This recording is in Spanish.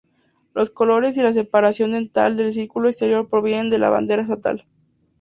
Los colores y la separación dentada del círculo exterior provienen de la bandera estatal.